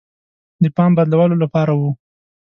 د پام بدلولو لپاره وه.